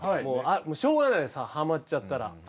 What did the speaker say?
もうしょうがないんですはまっちゃったら。